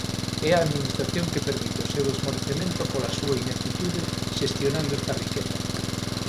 E a Administración que permite o seu esmorecemento pola súa ineptitude xestionando esta riqueza.